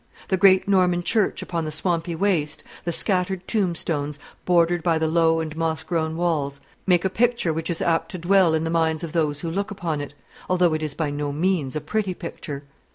The great Norman church upon the swampy waste, the scattered tombstones, bordered by the low and moss grown walls, make a picture which is apt to dwell in the minds of those who look upon it, although it is by no means a pretty picture.